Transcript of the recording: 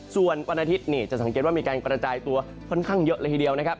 ส่วนวันอาทิตย์นี่จะสังเกตว่ามีการกระจายตัวค่อนข้างเยอะเลยทีเดียวนะครับ